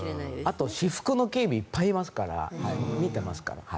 あと私服の警備がいっぱいいますから見てますから。